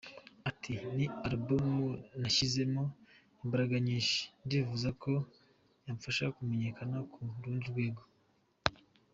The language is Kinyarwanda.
Ati “Ni album nashyizemo imbaraga nyinshi, ndifuza ko yamfasha kumenyekana ku rundi rwego.